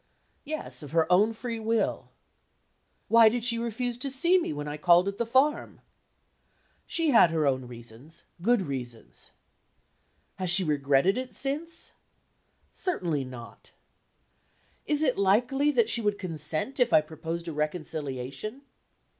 'Yes, of her own free will.' 'Why did she refuse to see me when I called at the farm?' 'She had her own reasons good reasons.' 'Has she regretted it since?' 'Certainly not.' 'Is it likely that she would consent, if I proposed a reconciliation?